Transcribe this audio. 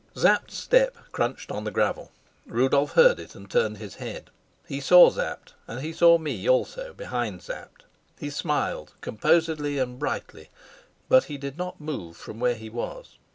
Sapt's step crunched on the gravel. Rudolf heard it and turned his head. He saw Sapt, and he saw me also behind Sapt. He smiled composedly and brightly, but he did not move from where he was.